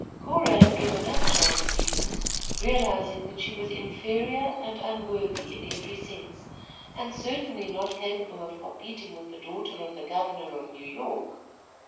Cora had given up Charles Stevens, realizing that she was inferior and unworthy in every sense, and certainly not capable of competing with the daughter of the governor of New York.